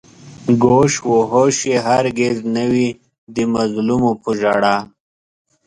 گوش و هوش يې هر گِز نه وي د مظلومو په ژړا